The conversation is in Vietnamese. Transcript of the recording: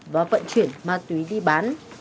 và vận chuyển ma túy đi bán